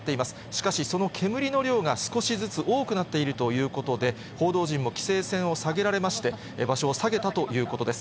しかし、その煙の量が少しずつ多くなっているということで、報道陣も規制線を下げられまして、場所を下げたということです。